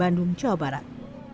bandung jawa barat